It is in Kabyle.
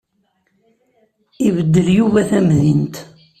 Ibeddel Yuba tamdint.